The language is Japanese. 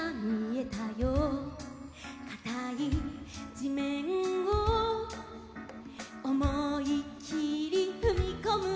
「かたいじめんをおもいきりふみこむぞ」